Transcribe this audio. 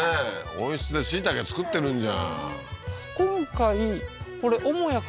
温室で椎茸作ってるんじゃん